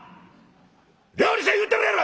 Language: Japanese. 料理せえ言うてるやろ！」。